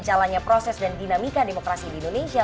jalannya proses dan dinamika demokrasi di indonesia